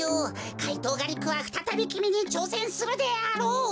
怪盗ガリックはふたたびきみにちょうせんするであろう。